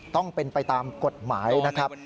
ต้องเป็นไปตามกฎหมายนะครับ